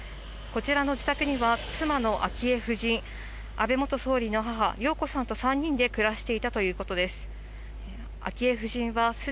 こちらの自宅には、妻の昭恵夫人、安倍元総理の母、洋子さんと３人で暮らしていたということです。